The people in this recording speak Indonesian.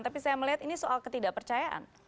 tapi saya melihat ini soal ketidakpercayaan